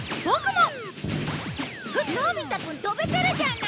のび太くん跳べてるじゃない。